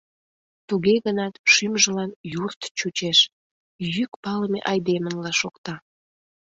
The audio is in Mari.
Туге гынат шӱмжылан юрт чучеш, йӱк палыме айдемынла шокта.